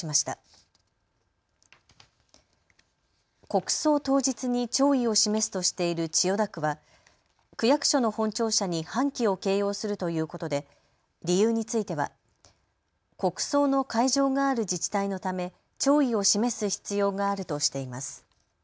国葬当日に弔意を示すとしている千代田区は区役所の本庁舎に半旗を掲揚するということで理由については国葬の会場がある自治体のため弔意を示す必要があるとしています。